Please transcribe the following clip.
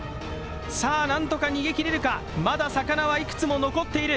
さあ何とか逃げ切れるかまだ魚はいくつも残っている。